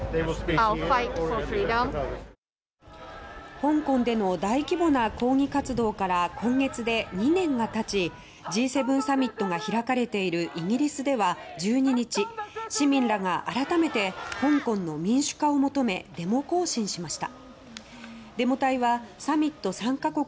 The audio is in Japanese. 香港での大規模な抗議活動から今月で２年が経ちＧ７サミットが開かれているイギリスでは１２日、市民らが改めて香港の民主化を求めデモ行進しました。